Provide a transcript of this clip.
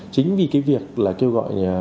chính vì việc kêu gọi